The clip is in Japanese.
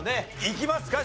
いきますか？